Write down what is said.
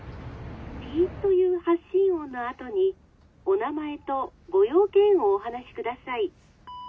ピッという発信音のあとにお名前とご用件をお話しください」。